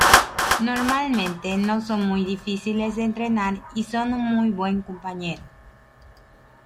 Normalmente no son muy difíciles de entrenar y son un muy buen compañero.